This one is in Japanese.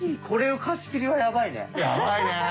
これを貸し切りはやばいね。